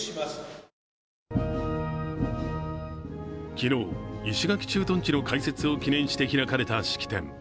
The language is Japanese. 昨日、石垣駐屯地の開設を記念して開かれた式典。